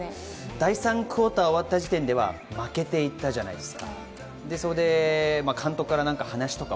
第３クオーター終わった時点で負けていたじゃないですか。